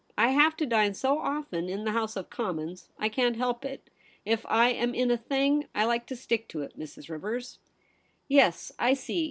I have to dine so often in the House of Com mons ; I can't help it. If I am in a thing, I like to stick to it, Mrs. Rivers.' ' Yes, I see.